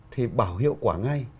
thì bảo hiệu quả ngay